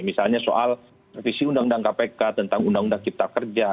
misalnya soal revisi undang undang kpk tentang undang undang cipta kerja